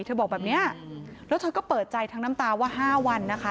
บอกแบบนี้แล้วเธอก็เปิดใจทั้งน้ำตาว่า๕วันนะคะ